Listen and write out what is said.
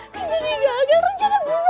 dia jadi gagal rencana gue